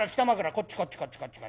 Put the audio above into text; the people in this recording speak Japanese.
こっちこっちこっちこっち。